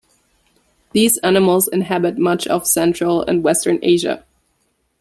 These animals inhabit much of central and western Asia.